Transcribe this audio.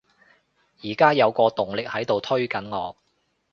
而家有個動力喺度推緊我